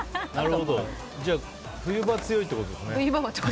じゃあ冬場は強いってことですね。